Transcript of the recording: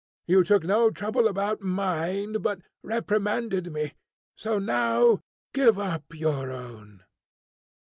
You took no trouble about mine, but reprimanded me. So now give up your own."